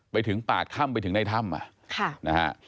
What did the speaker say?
ไปถึงปากถ้ำไปถึงในถ้ำนะฮะ